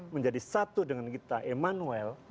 menjadi satu dengan kita emmanuel